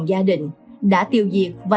gia đình đã tiêu diệt và